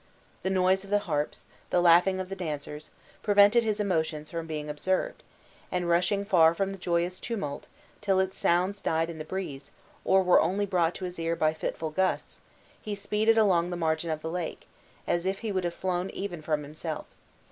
The noise of the harps, the laughing of the dancers, prevented his emotions from being observed; and rushing far from the joyous tumult, till its sounds died in the breeze, or were only brought to his ear by fitful gusts, he speeded along the margin of the lake, as if he would have flown even from himself.